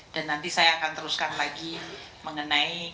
dan nanti saya akan teruskan lagi mengenai